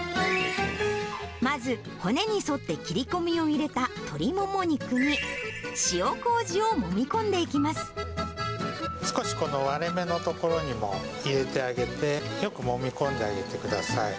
まず、骨に沿って切り込みを入れた鶏もも肉に、塩こうじをもみ込んでい少しこの割れ目の所にも入れてあげて、よくもみ込んであげてください。